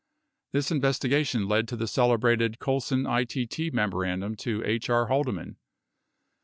This investigation led to the celebrated Col son ITT memorandum to H. K. Haldeman.